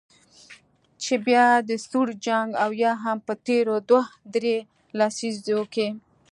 چې بیا د سوړ جنګ او یا هم په تیرو دوه درې لسیزو کې